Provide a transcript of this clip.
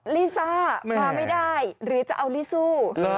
ลิซ่ามาไม่ได้หรือจะเอาลิซู